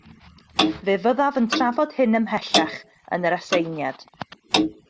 Fe fyddaf yn trafod hyn ymhellach yn yr aseiniad